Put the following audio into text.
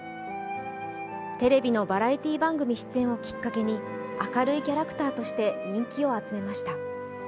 テレビのバラエティー番組出演をきっかけに明るいキャラクターとして人気を集めました。